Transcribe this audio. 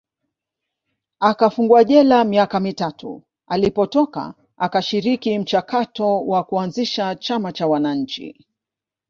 akafungwa jela miaka mitatu alipotoka akashiriki mchakato wa kuanzisha chama cha Wananchi